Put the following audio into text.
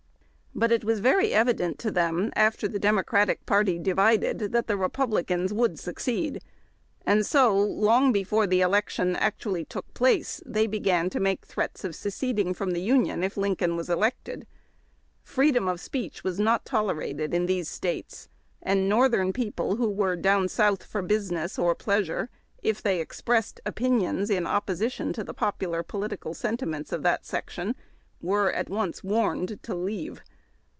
But it was very evident to them, after the Democratic party divided, that the Republicans would suc ceed, and so, long before the election actually took place, they began to make threats of seceding from the Union if Lincoln was elected. Freedom of speech was not tolerated A BELL ANr> EVKHETT CAM PAIGNER. THE TOCSIN OF WAli. 17 in these States, and iiortlieru people who were down Soutli for business or pleasui e, if tliey expressed opinions in oppo sition to the popuhir political sentiments of that section, were at once warned to leave.